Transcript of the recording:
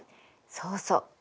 そうそう。